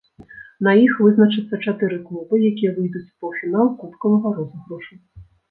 На іх вызначацца чатыры клубы, якія выйдуць у паўфінал кубкавага розыгрышу.